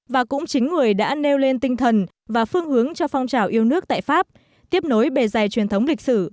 và cũng chính người đã nêu lên tinh thần và phương hướng cho phong trào yêu nước tại pháp tiếp nối bề dày truyền thống lịch sử